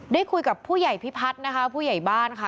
ได้คุยกับผู้ใหญ่พิพัฒน์นะคะผู้ใหญ่บ้านค่ะ